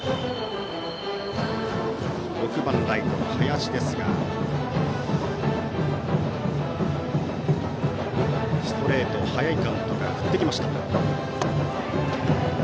６番、ライトの林ですがストレートを早いカウントから振ってきました。